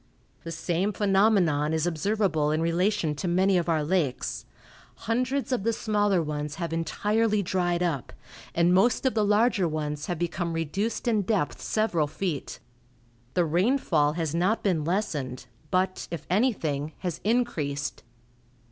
The same phenomenon is observable in relation to many of our lakes. Hundreds of the smaller ones have entirely dried up, and most of the larger ones have become reduced in depth several feet. The rainfall has not been lessened, but, if anything, has increased.